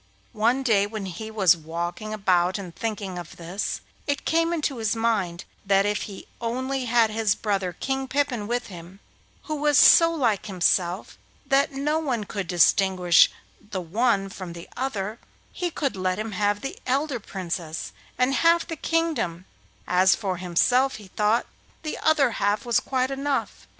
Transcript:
One day when he was walking about and thinking of this, it came into his mind that if he only had his brother, King Pippin, with him, who was so like himself that no one could distinguish the one from the other, he could let him have the elder Princess and half the kingdom; as for himself, he thought, the other half was quite enough.